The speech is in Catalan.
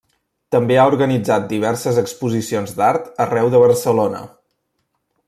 També ha organitzat diverses exposicions d'art arreu de Barcelona.